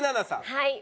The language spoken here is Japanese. はい。